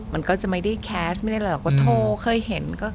มันก็จะไม่ได้แคสต์ไม่ได้อะไรหรอกก็โทรเคยเห็น